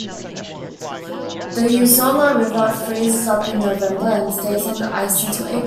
The Uzola River freezes up in November and stays under the ice until April.